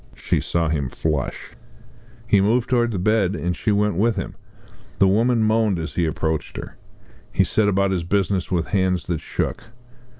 She saw him flush. He moved towards the bed, and she went with him. The woman moaned as he approached her. He set about his business with hands that shook.